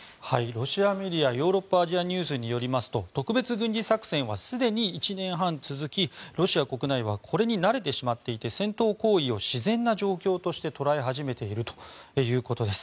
ロシアメディアヨーロッパ・アジアニュースによりますと特別軍事作戦はすでに１年半続きロシア国内はこれに慣れてしまっていて戦闘行為を自然な状況として捉え始めているということです。